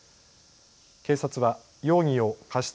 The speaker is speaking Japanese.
警察は容疑を過失